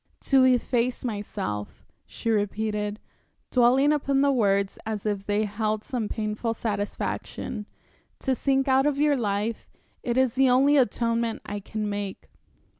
"To efface myself," she repeated, dwelling upon the words as if they held some painful satisfaction, "to sink out of your life it is the only atonement I can make."